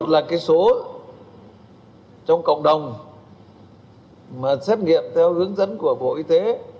là cái số trong cộng đồng mà xét nghiệm theo hướng dẫn của bộ y tế